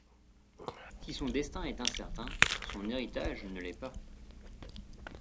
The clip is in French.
Si son destin est incertain, son héritage ne l’est pas.